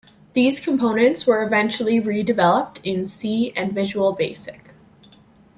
These components were eventually redeveloped in C and Visual Basic.